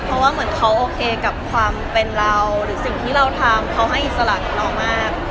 เพราะว่าเหมือนเขาโอเคกับความเป็นเราหรือสิ่งที่เราทำเขาให้อิสระกับเรามาก